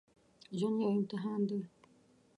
ژوند یو امتحان دی